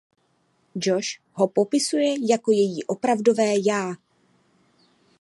Joss ho popisuje jako „její opravdové já“.